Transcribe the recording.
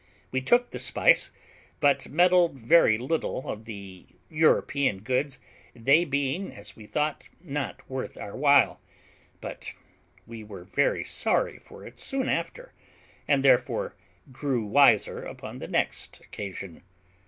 We took the spice, but meddled with very little of the European goods, they being, as we thought, not worth our while; but we were very sorry for it soon after, and therefore grew wiser upon the next occasion.